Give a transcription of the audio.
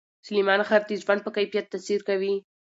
سلیمان غر د ژوند په کیفیت تاثیر کوي.